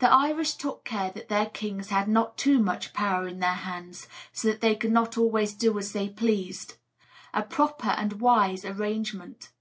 The Irish took care that their kings had not too much power in their hands; so that they could not always do as they pleased a proper and wise arrangement.